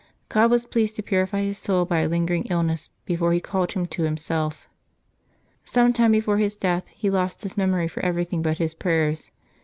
God was pleased to purify his soul by a lingering illness before He called him to Him self. Some time before his death he lost his memory for everything but his prayers.